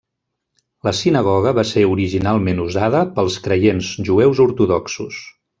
La sinagoga va ser originalment usada pels creients jueus ortodoxos.